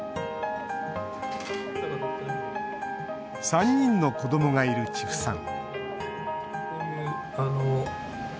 ３人の子どもがいる千布さん